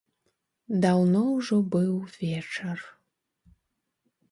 Даўно ўжо быў вечар.